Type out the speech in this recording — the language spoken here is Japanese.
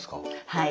はい。